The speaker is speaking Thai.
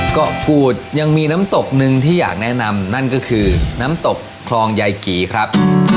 เกาะกูดยังมีน้ำตกหนึ่งที่อยากแนะนำนั่นก็คือน้ำตกคลองยายกี่ครับ